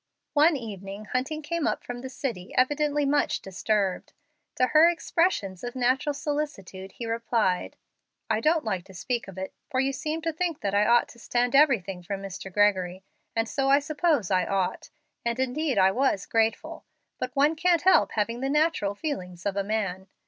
One evening Hunting came up from the city evidently much disturbed. To her expressions of natural solicitude he replied, "I don't like to speak of it, for you seem to think that I ought to stand everything from Mr. Gregory. And so I suppose I ought, and indeed I was grateful, but one can't help having the natural feelings of a man.